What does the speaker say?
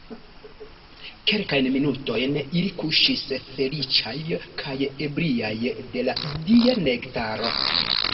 Kelkajn minutojn ili kuŝis feliĉaj kaj ebriaj de la dia nektaro.